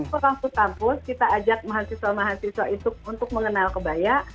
masuk kampus kampus kita ajak mahasiswa mahasiswa itu untuk mengenal kebaya